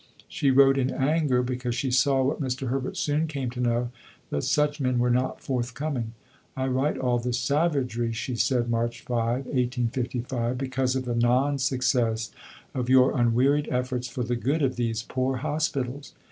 She wrote in anger, because she saw, what Mr. Herbert soon came to know, that such men were not forthcoming. "I write all this savagery," she said (March 5, 1855), "because of the non success of your unwearied efforts for the good of these poor Hospitals."